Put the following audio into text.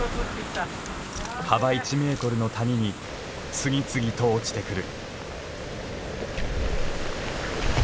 幅１メートルの谷に次々と落ちてくる。